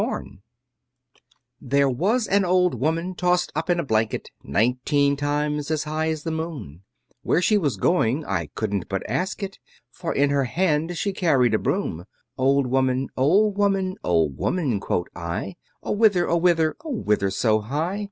There was an old woman tossed up in a basket Nineteen times as high as the moon; Where she was going I couldn't but ask it, For in her hand she carried a broom. Old woman, old woman, old woman, quoth I, O whither, O whither, O whither so high?